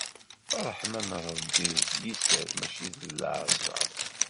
Ṛṛeḥma n Ṛebbi s liser mačči s laɛṣeṛ.